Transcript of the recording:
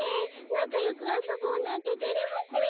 なかよくあそぼうなんててれますよ。